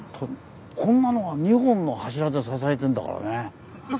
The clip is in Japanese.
こんなのを２本の柱で支えてんだからね。